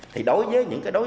thì đối với những cái đối ứng